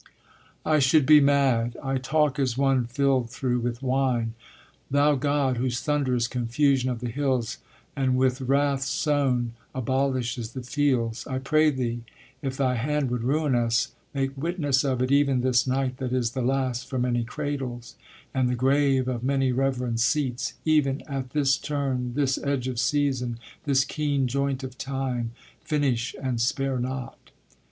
I should be mad, I talk as one filled through with wine; thou God, Whose thunder is confusion of the hills, And with wrath sown abolishes the fields, I pray thee if thy hand would ruin us, Make witness of it even this night that is The last for many cradles, and the grave Of many reverend seats; even at this turn, This edge of season, this keen joint of time, Finish and spare not.